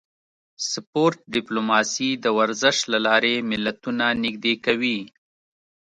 سپورت ډیپلوماسي د ورزش له لارې ملتونه نږدې کوي